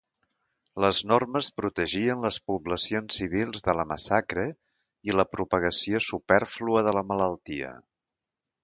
Les normes protegien les poblacions civils de la massacre i la propagació supèrflua de la malaltia.